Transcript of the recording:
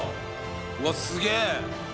うわっすげえ！